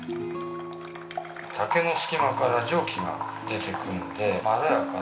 竹の隙間から蒸気が出てくるのでまろやか。